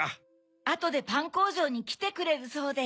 あとでパンこうじょうにきてくれるそうです。